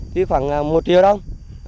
chỉ khoảng một triệu đồng